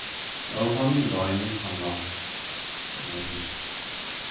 Yolg‘onning doimiy hamrohi — ayyorlik.